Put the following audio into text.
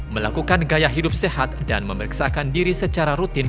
melakukan gaya hidup sehat dan memeriksakan diri secara rutin